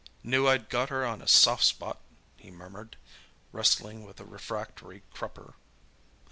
"Knew I'd got her on a soft spot!" he murmured, wrestling with a refractory crupper.